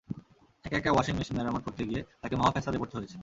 একা একা washing machine মেরামত করতে গিয়ে তাঁকে মহা ফ্যাসাদে পড়তে হয়েছে।